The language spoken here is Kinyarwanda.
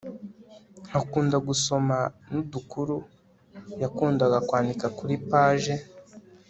nka kunda gusoma nudukuru yakundaga kwandika kuri paje